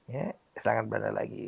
ya serangan belanda lagi